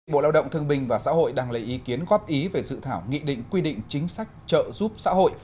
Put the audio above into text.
bộ lao động thương bình và xã hội đang lấy ý kiến góp ý về dự thảo nghị định quy định chính sách trợ giúp xã hội